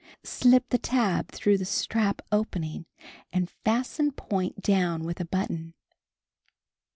Slip the tab through the strap opening k> * ^^HSH^Hi ^"*"^ fasten point down with a button.